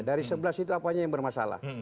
dari sebelah situ apanya yang bermasalah